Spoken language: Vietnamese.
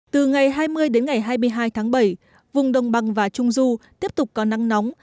từ ngày hai mươi đến ngày hai mươi hai tháng bảy vùng đồng bằng và trung du tiếp tục có nắng nóng